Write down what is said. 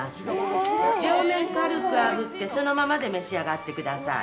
両面、軽くあぶって、そのままで召し上がってください。